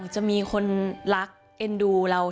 จะมีคนรักเอ็นดูเรา